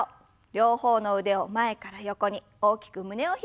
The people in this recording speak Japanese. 両方の腕を前から横に大きく胸を開きます。